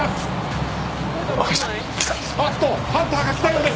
ハンターが来たようです。